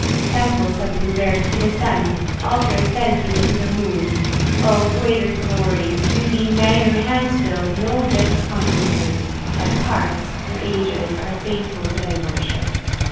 Temples have been reared to the Sun—altars dedicated to the Moon. Oh, greater glory! To thee neither hands build, nor lips consecrate: but hearts, through ages, are faithful to thy worship.